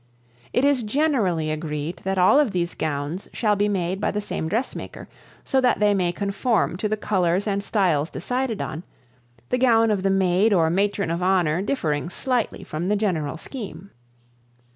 It is generally agreed that all of these gowns shall be made by the same dressmaker so that they may conform to the colors and styles decided on, the gown of the maid or matron of honor differing slightly from the general scheme.